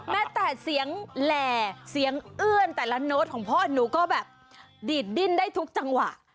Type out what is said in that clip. แม้เสียงเอื้อนแต่ละโน้ตของพ่อหนูก็แบบดีดดิ้นได้ทุกจังหวะ